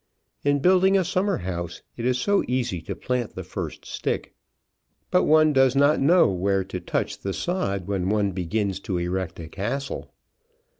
In building a summer house it is so easy to plant the first stick, but one does not know where to touch the sod when one begins to erect a castle.